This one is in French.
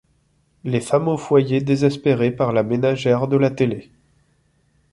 Les femmes au foyer désespérées par la ménagère de la télé.